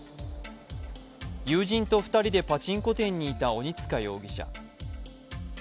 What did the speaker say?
友人と２人でパチンコ店にいた鬼束容疑者。